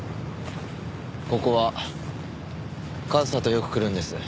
ここは和沙とよく来るんです。